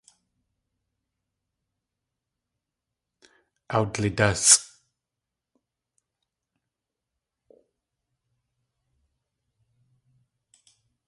Awdlidásʼ.